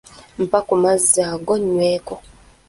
Mpa ku mazzi ago nyweko.